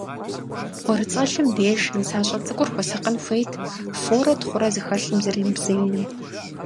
ӀурыцӀэлъым деж нысащӀэ цӀыкӀур хуэсакъын хуейт форэ-тхъурэ зэхэлъым зэремыбзеиным.